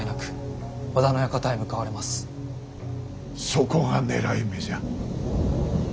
そこが狙い目じゃ。